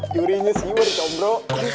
jurinya sih mau dicombro